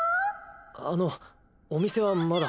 あのお店はまだ。